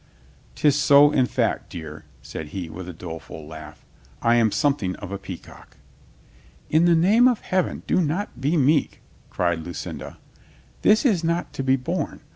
'Tis so, in fact, dear," said he with a doleful laugh. "I am something of a peacock." "In the name of Heaven, do not be meek," cried Lucinda. "That is not to be borne.